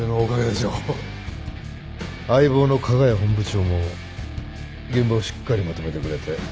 相棒の加賀谷本部長も現場をしっかりまとめてくれて。